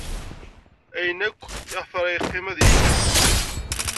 Ayen akk iɣef ara yeqqim ad inǧes.